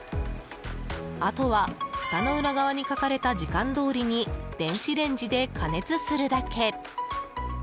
あとは、ふたの裏側に書かれた時間どおりに電子レンジで加熱するだけ。